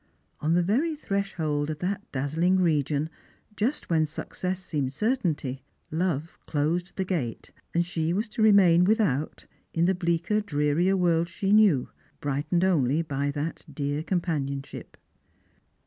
On the very threshold of that dazzling region, just when success seemed cer tainty, Love closed the gate, and she was to remain without, in the bleaker drearier world she knew, brightened only by that dear companionship.